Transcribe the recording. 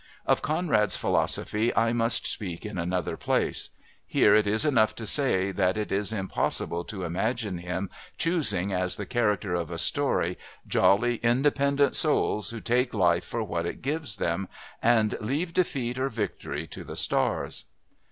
Of Conrad's philosophy I must speak in another place: here it is enough to say that it is impossible to imagine him choosing as the character of a story jolly, independent souls who take life for what it gives them and leave defeat or victory to the stars.